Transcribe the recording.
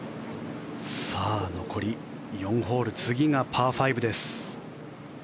残り４ホール次がパー５です。